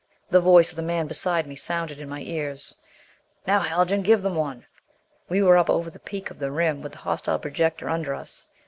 The voice of the man beside me sounded in my ears: "Now, Haljan, give them one!" We were up over the peak of the rim with the hostile projectors under us.